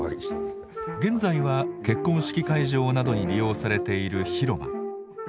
現在は結婚式会場などに利用されている広間。